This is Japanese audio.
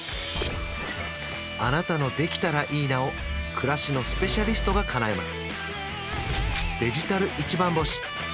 あなたの「できたらいいな」を暮らしのスペシャリストがかなえます